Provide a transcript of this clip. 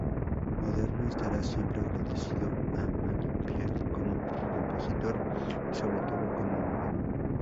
Maderna estará siempre agradecido a Malipiero, como compositor y sobre todo, como hombre.